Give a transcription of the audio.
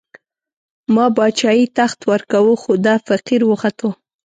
ما باچايي، تخت ورکوو، خو دا فقير وختو